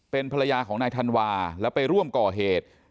เป็นภรรยาของนายธันวาแล้วไปร่วมก่อเหตุ